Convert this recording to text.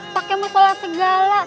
pak yang mau sholat segala